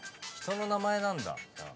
人の名前なんだ。